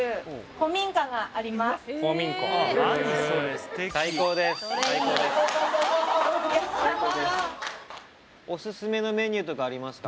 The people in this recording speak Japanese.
古民家へえありますか？